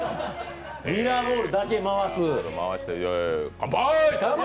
ミラーボールだけ回す。